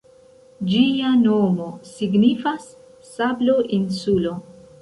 Ĝia nomo signifas "Sablo-insulo".